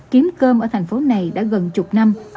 kiếm cơm ở thành phố này đã gần chục năm